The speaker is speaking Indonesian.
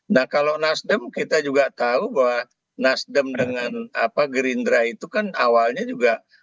nah kalau nasdem kita juga tahu bahwa nasdem dengan gerindra itu kan awalnya juga